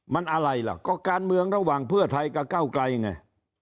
มันอะไรล่ะก็การเมืองระหว่างเพื่อไทยกับเก้าไกลไง